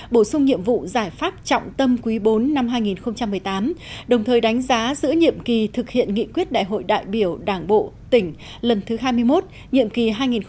bổ sung nhiệm vụ giải pháp trọng tâm quý bốn năm hai nghìn một mươi tám đồng thời đánh giá giữa nhiệm kỳ thực hiện nghị quyết đại hội đại biểu đảng bộ tỉnh lần thứ hai mươi một nhiệm kỳ hai nghìn một mươi năm hai nghìn hai mươi